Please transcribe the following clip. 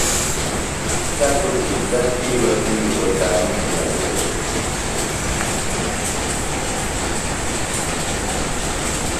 کصُب اِزدہ تِھیلوۡ تی، اوستانی کُھنہ یھئیۡ